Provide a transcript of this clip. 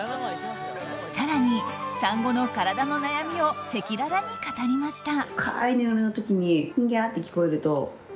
更に産後の体の悩みを赤裸々に語りました。